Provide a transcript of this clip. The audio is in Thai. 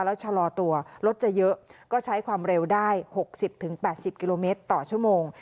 แล้วชะลอตัวรถจะเยอะก็ใช้ความเร็วได้หกสิบถึงแปดสิบกิโลเมตรต่อชั่วโมง